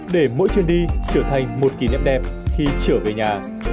để mỗi chuyến đi trở thành một kỷ niệm đẹp khi trở về nhà